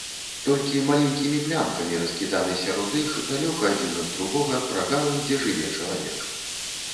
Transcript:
Толькі маленькімі плямкамі раскіданы сярод іх, далёка адзін ад другога, прагалы, дзе жыве чалавек.